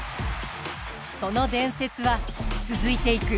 その伝説は続いていく。